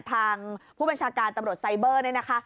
ทางผู้บัญชาการตำรวจไซเบอร์เนี่ยนะคะ